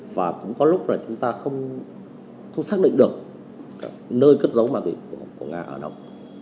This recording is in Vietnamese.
và cũng có lúc là chúng ta không xác định được nơi cất dấu ma túy của nga ở đâu